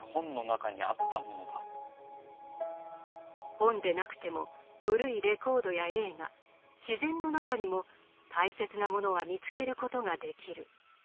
本でなくても古いレコードや映画自然の中にも大切なものは見つけることができる。